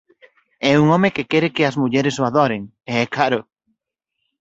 É un home que quere que as mulleres o adoren, e é caro!